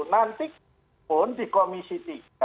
nanti pun di komisi tiga